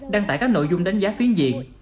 đăng tải các nội dung đánh giá phiến diện